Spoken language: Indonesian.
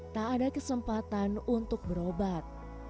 tak ada kesempatan untuk berobat